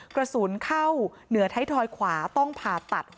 กระสุนเข้าเหนือไทยทอยขวาต้องผ่าตัด